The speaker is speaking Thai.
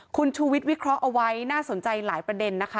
คุณชูวิทย์วิเคราะห์เอาไว้น่าสนใจหลายประเด็นนะคะ